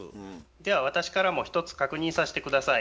では私からも一つ確認させて下さい。